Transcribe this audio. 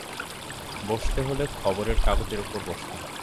বসতে হলে খবরের কাগজের ওপর বসতে হয়।